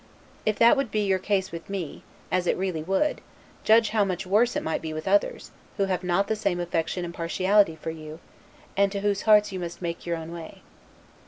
If that would be your case with me, as it really would, judge how much worse it might be with others, who have not the same affection and partiality for you, and to whose hearts you must make your own way.